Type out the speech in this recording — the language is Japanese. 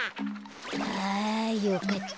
あよかった。